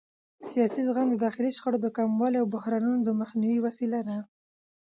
سیاسي زغم د داخلي شخړو د کمولو او بحرانونو د مخنیوي وسیله ده